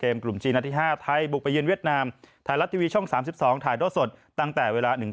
โอ้โหหวังว่าครั้งนี้แหละ